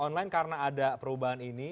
online karena ada perubahan ini